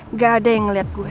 nggak ada yang ngeliat gue